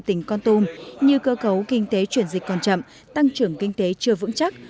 tỉnh con tum như cơ cấu kinh tế chuyển dịch còn chậm tăng trưởng kinh tế chưa vững chắc